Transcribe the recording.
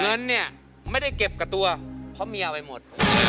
เงินเนี่ยไม่ได้เก็บกับตัวเพราะเมียเอาไปหมด